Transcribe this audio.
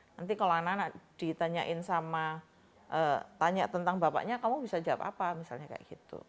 nanti kalau anak anak ditanyain sama tanya tentang bapaknya kamu bisa jawab apa misalnya kayak gitu